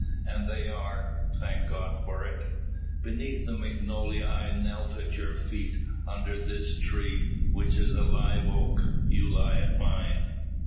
And they are, thank God for it! Beneath the magnolia I knelt at your feet, under this tree, which is a live oak, you lie at mine."